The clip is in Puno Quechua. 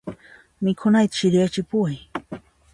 Mikhunayta chiriyachipuway.